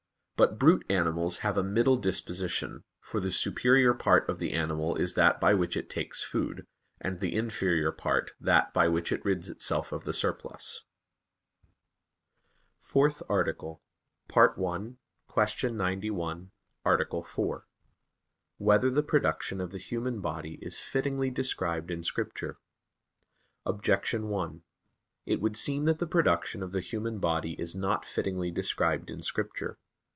But brute animals have a middle disposition, for the superior part of the animal is that by which it takes food, and the inferior part that by which it rids itself of the surplus. _______________________ FOURTH ARTICLE [I, Q. 91, Art. 4] Whether the Production of the Human Body Is Fittingly Described in Scripture? Objection 1: It would seem that the production of the human body is not fittingly described in Scripture.